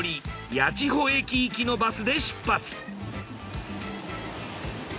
八千穂駅行きのバスで出発。